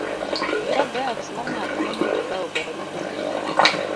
gi adres mar ng'at ma biro kawo barupeni,